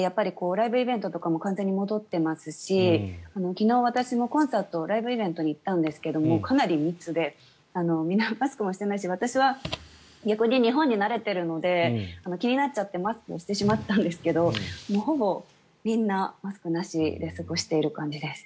ライブイベントとかも完全に戻っていますし昨日、私もコンサートライブイベントに行ったんですがかなり密でみんなマスクもしていないし私は逆に日本に慣れているので気になっちゃってマスクをしてしまったんですがほぼみんな、マスクなしで過ごしている感じです。